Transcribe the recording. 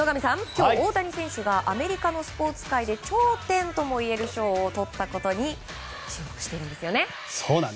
今日、大谷選手がアメリカのスポーツ界で頂点ともいえる賞をとったことに注目しているんですよね。